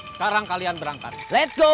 sekarang kalian berangkat let's go